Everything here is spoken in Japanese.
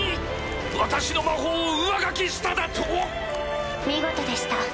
私の魔法を上書きしただと⁉見事でした。